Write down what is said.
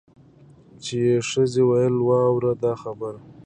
چي یې ښځي ویل واوره دا خبره